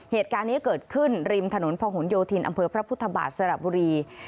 เหตุการณ์นี้เกิดขึ้นริมถนนพะหนโยธินอำเภอพระพุทธบาทสระบุรี